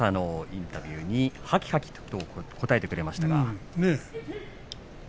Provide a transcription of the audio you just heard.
インタビューにはきはきと答えてくれました。